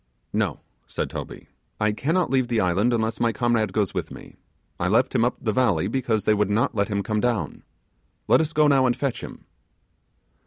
'No,' said Toby, 'I cannot leave the island unless my comrade goes with me. I left him up the valley because they would not let him come down. Let us go now and fetch him.